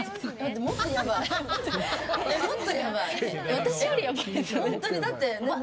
私よりやばいですね。